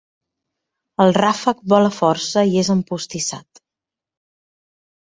El ràfec vola força i és empostissat.